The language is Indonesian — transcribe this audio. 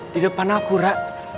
di depan aku ra